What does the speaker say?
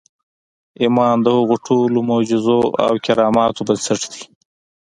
ایمان د هغو ټولو معجزو او کراماتو بنسټ دی